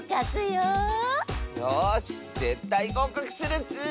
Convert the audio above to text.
よしぜったいごうかくするッス！